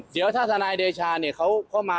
เดี๋ยวถ้าธนายเดชาเข้ามา